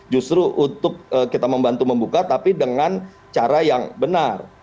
justru untuk kita membantu membuka tapi dengan cara yang benar